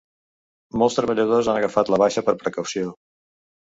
Molts treballadors han agafat la baixa per precaució.